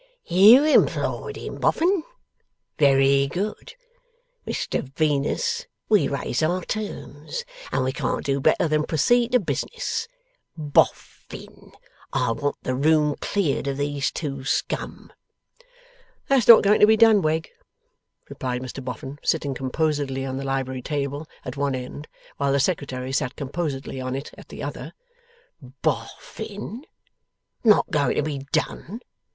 'Oh! You employed him, Boffin? Very good. Mr Venus, we raise our terms, and we can't do better than proceed to business. Bof fin! I want the room cleared of these two scum.' 'That's not going to be done, Wegg,' replied Mr Boffin, sitting composedly on the library table, at one end, while the Secretary sat composedly on it at the other. 'Bof fin! Not going to be done?